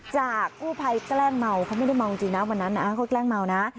จากกู้ภัยแกล้งเมาเขาไม่ได้เมาจริงนะวันนั้นนะเขาแกล้งเมานะ